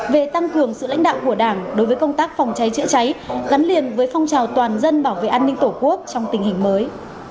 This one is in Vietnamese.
về tăng cường sự lãnh đạo của đảng đối với công tác phòng cháy chữa cháy gắn liền với phong trào toàn dân bảo vệ an ninh tổ quốc trong tình hình mới